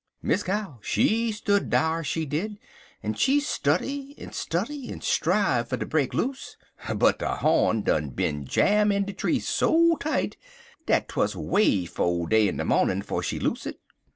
"Miss Cow, she stood dar, she did, en she study en study, en strive fer ter break loose, but de horn done bin jam in de tree so tight dat twuz way 'fo day in de mornin' 'fo' she loose it.